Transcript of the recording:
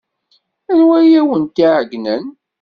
Anwa ay awent-iɛeyynen?